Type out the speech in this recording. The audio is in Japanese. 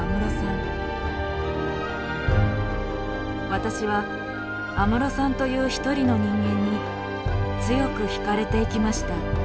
私は安室さんという一人の人間に強くひかれていきました。